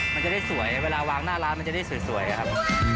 มันจะได้สวยเวลาวางหน้าร้านมันจะได้สวยอะครับ